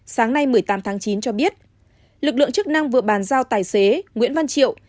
sáng nay một mươi tám tháng chín cho biết lực lượng chức năng vừa bàn giao tài xế nguyễn văn triệu